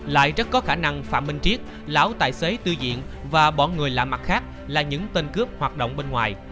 lại rất có khả năng phạm minh triết lão tài xế tư diện và bọn người lạ mặt khác là những tên cướp hoạt động bên ngoài